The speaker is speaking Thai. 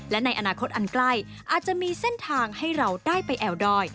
และในอนาคตอันใกล้อาจจะมีเส้นทางให้เราได้ไปแอวดอย